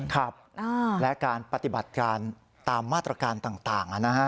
ครับและการปฏิบัติการตามมาตรการต่างนะฮะ